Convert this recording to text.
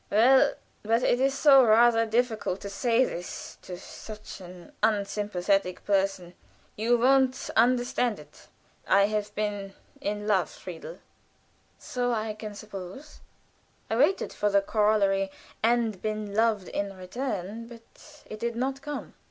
Well, but it is rather difficult to say this to such an unsympathetic person; you won't understand it. I have been in love, Friedel." "So I can suppose." I waited for the corollary, "and been loved in return," but it did not come.